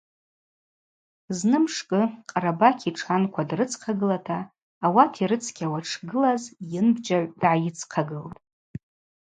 Зны мшкӏы Къарабакь йтшанква дрыдзхъагылата ауат йрыцкьауа дшгылаз йынбжьагӏв дгӏайыдзхъагылтӏ.